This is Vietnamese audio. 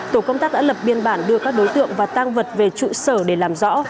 tổ công tác đã lập biên bản đưa các đối tượng và tang vật về trụ sở để làm rõ